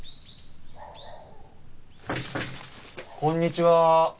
こんにちは。